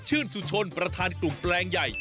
ชื่นสุชนประธานกลุ่มแปลงใหญ่